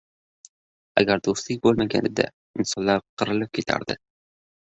• Agar do‘stlik bo‘lmaganida insonlar qirilib ketardi.